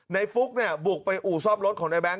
ในฟุกเนี่ยบุกไปอุซอมรถของในแบงค์